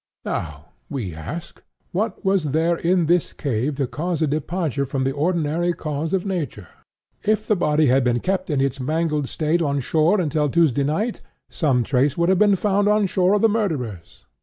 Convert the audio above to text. Now, we ask, what was there in this case to cause a departure from the ordinary course of nature?... If the body had been kept in its mangled state on shore until Tuesday night, some trace would be found on shore of the murderers.